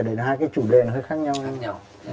đấy là hai cái chủ đề nó hơi khác nhau